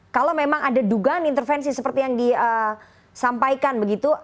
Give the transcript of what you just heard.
kalau memang ada dugaan intervensi seperti yang disampaikan begitu